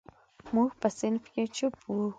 موږ په صنف کې چپ وو.